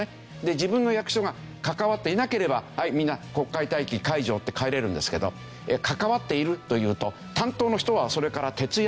自分の役所が関わっていなければ「はいみんな国会待機解除」って帰れるんですけど関わっているというと担当の人はそれから。